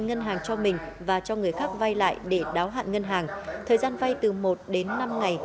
ngân hàng cho mình và cho người khác vay lại để đáo hạn ngân hàng thời gian vay từ một đến năm ngày